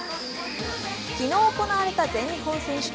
昨日行われた全日本選手権。